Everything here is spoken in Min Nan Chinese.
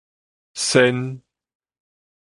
鉎